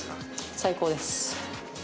最高です！